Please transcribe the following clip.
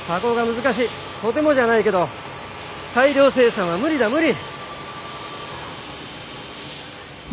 とてもじゃないけど大量生産は無理だ無理！